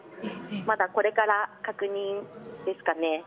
まだこれから確認ですかね。